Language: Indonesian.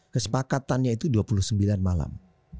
kesepakatannya itu dua puluh sembilan malam